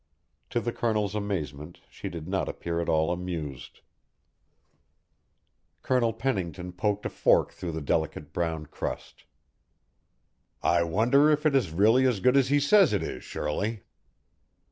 To the Colonel's amazement she did not appear at all amused. Colonel Pennington poked a fork through the delicate brown crust. "I wonder if it is really as good as he says it is, Shirley."